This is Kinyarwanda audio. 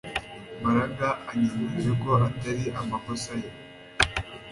Mbaraga anyemeje ko atari amakosa ye